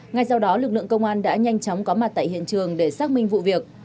ngay sau đó lực lượng công an đã nhanh chóng có mặt tại hiện trường để xác minh vụ việc